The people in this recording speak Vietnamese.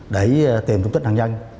để tìm thủ tích hàng dân